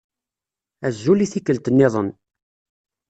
Azul i tikkelt-nniḍen.